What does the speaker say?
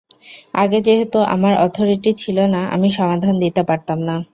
আগে যেহেতু আমার অথরিটি ছিল না, আমি সমাধান দিতে পারতাম না।